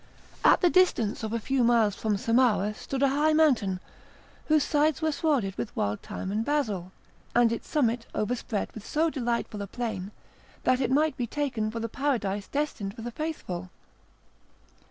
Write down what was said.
At the distance of a few miles from Samarah stood a high mountain, whose sides were swarded with wild thyme and basil, and its summit overspread with so delightful a plain, that it might be taken for the paradise destined for the faithful.